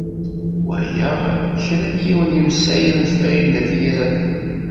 Walaɣ kra n yiwen yemsalam d Farid n At Yiraten.